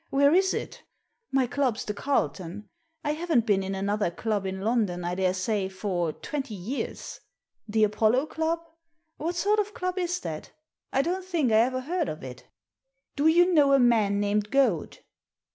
Where is it ? My club's the Carlton. I haven't been in another club in London, I daresay, for twenty years. The Apollo Club? What sort of club is that? I don't think I ever heard of it" " Do you know a man named Goad